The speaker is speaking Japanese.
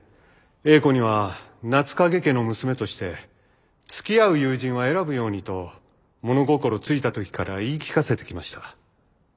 英子には夏影家の娘としてつきあう友人は選ぶようにと物心付いた時から言い聞かせてきました。